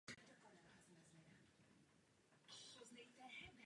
V Nizozemsku byla velká pozornost věnována osudu pana Cora Disselkoena.